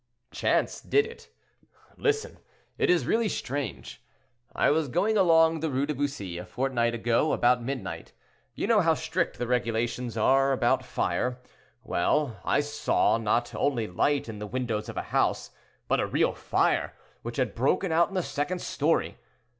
"Chance did it. Listen: it is really strange. I was going along the Rue de Bussy, a fortnight ago, about midnight; you know how strict the regulations are about fire; well, I saw, not only light in the windows of a house, but a real fire, which had broken out in the second story.